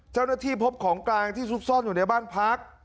เจ้าหน้าที่พบของกลางที่ซุกซ่อนอยู่ในบ้านพัก